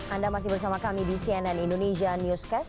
anda masih bersama kami di cnn indonesia newscast